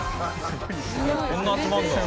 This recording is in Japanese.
こんな集まんだ。